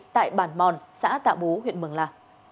tại bản mòn xã tạ bú huyện mường la